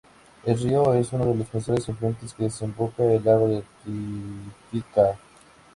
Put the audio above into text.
Es río es uno de los principales afluentes que desemboca en el lago Titicaca.